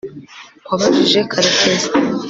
wabajije karekezi